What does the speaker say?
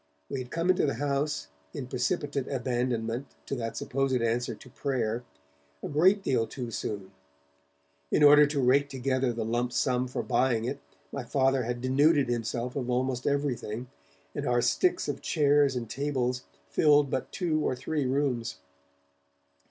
We had come into the house, in precipitate abandonment to that supposed answer to prayer, a great deal too soon. In order to rake together the lump sum for buying it, my Father had denuded himself of almost everything, and our sticks of chairs and tables filled but two or three rooms.